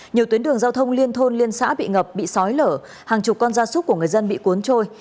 nhiều tuyến đường giao thông liên thôn liên xã bị ngập bị sói lở hàng chục con gia súc của người dân bị cuốn trôi